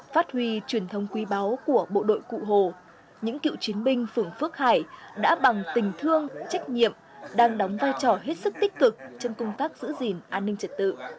phát huy truyền thống quý báu của bộ đội cụ hồ những cựu chiến binh phường phước hải đã bằng tình thương trách nhiệm đang đóng vai trò hết sức tích cực trong công tác giữ gìn an ninh trật tự